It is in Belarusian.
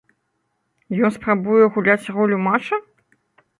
Ён спрабуе гуляць ролю мача?